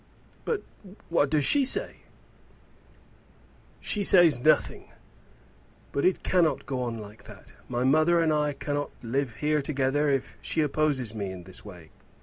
"But what does she say?" "She says nothing; but it cannot go on like that. My mother and I cannot live here together if she opposes me in this way.